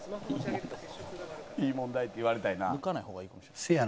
「いい問題」って言われたいな。